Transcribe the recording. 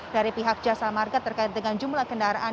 dari pihak jasa marga terkait dengan jumlah kendaraan